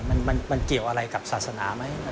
มันเกี่ยวอะไรกับศาสนาไหม